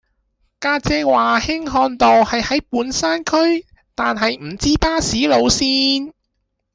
家姐話興漢道係喺半山區但係唔知巴士路線